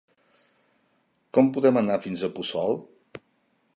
Com podem anar fins a Puçol?